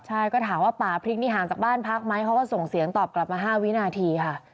ใช่ก็ถามว่าป่าพริกนี่ห่างจากบ้านพักไหมเขาก็ส่งเสียงตอบกลับมา๕วินาทีค่ะ